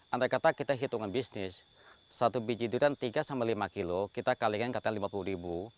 andai kata kita hitungan bisnis satu biji durian tiga sampai lima kilo kita kalikan katanya lima puluh ribu